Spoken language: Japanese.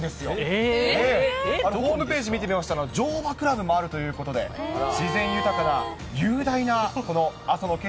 えー？ホームページ見てみましたら、乗馬クラブもあるということで、自然豊かな雄大な、この阿蘇の景